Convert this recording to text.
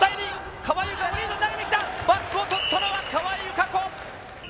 川井友香子、バックを取ったのは川井友香子。